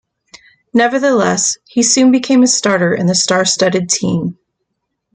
Nevertheless, he soon became a starter in the star-studded team.